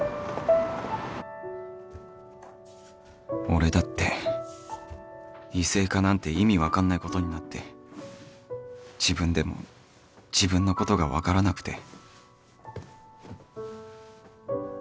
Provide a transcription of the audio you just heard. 俺だって異性化なんて意味分かんないことになって自分でも自分のことが分からなくて